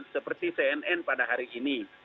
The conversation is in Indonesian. seperti cnn pada hari ini